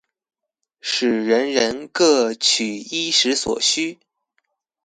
使人人各取衣食所需